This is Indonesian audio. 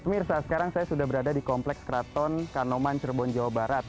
ya semir saat sekarang saya sudah berada di kompleks keraton kanoman cirebon jawa barat